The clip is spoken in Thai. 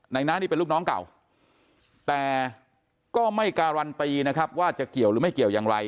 น้านี่เป็นลูกน้องเก่าแต่ก็ไม่การันตีนะครับว่าจะเกี่ยวหรือไม่เกี่ยวอย่างไร